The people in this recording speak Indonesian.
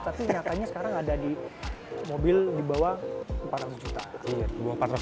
tapi nyatanya sekarang ada di mobil di bawah empat ratus juta